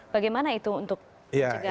bagaimana itu untuk hal hal buruk terjadi